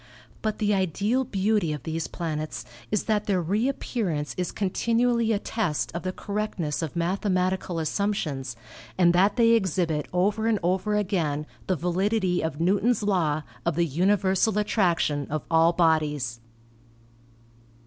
But the ideal beauty of these planets is that their reappear ance is continually a test of the correctness of mathemati cal assumptions and that they exhibit over and over again the validity of Newton's law of the universal attraction of all bodies.